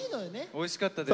おいしかったです